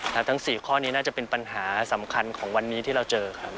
ทั้ง๔ข้อนี้น่าจะเป็นปัญหาสำคัญของวันนี้ที่เราเจอครับ